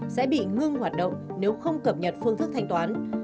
sẽ bị ngưng hoạt động nếu không cập nhật phương thức thanh toán